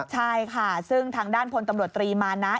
ใช่ค่ะซึ่งทางด้านพลตำรวจตรีมานะ